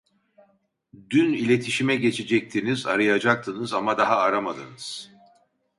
Dün iletişime geçecektiniz arayacaktınız ama daha aramadınız